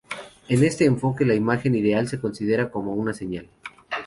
En este enfoque, la imagen ideal se considera como una señal.